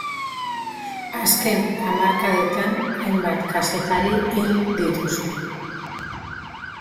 Azken hamarkadetan hainbat kazetari hil dituzte.